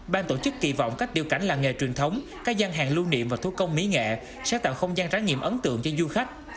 ban tổ chức kỳ vọng cách điều cảnh làng nghề truyền thống các gian hàng lưu niệm và thú công mỹ nghệ sẽ tạo không gian trái nghiệm ấn tượng cho du khách